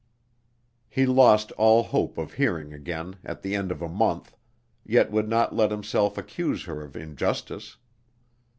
He lost all hope of hearing again, at the end of a month, yet would not let himself accuse her of injustice.